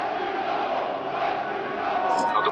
افغانستان د خپلو اوبو د مدیریت په برخه کي شاته نه ځي.